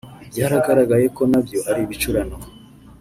byagaragaye ko nabyo ari ibicurano